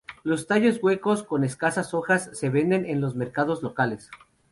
Los tallos huecos con escasas hojas se venden en los mercados locales.